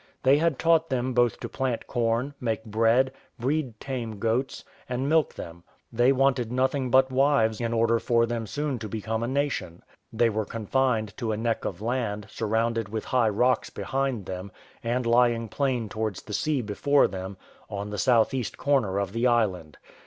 They had taught them both to plant corn, make bread, breed tame goats, and milk them: they wanted nothing but wives in order for them soon to become a nation. They were confined to a neck of land, surrounded with high rocks behind them, and lying plain towards the sea before them, on the south east corner of the island.